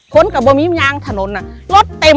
คนก็เปรี้ยงถนนอะลดเต็ม